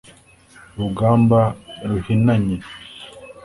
urugambaruhinanye,